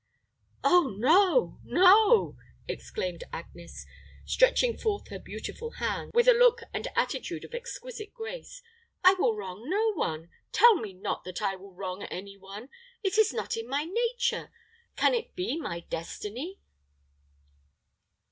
"Oh, no no," exclaimed Agnes, stretching forth her beautiful hands, with a look and attitude of exquisite grace. "I will wrong no one. Tell me not that I will wrong any one; it is not in my nature can it be my destiny?"